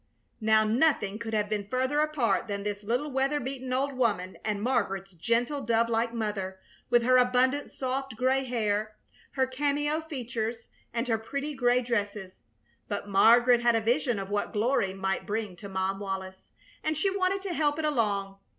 Now nothing could have been further apart than this little weather beaten old woman and Margaret's gentle, dove like mother, with her abundant soft gray hair, her cameo features, and her pretty, gray dresses; but Margaret had a vision of what glory might bring to Mom Wallis, and she wanted to help it along.